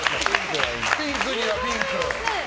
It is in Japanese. ピンクにはピンク。